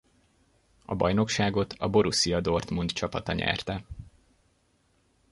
A bajnokságot a Borussia Dortmund csapata nyerte.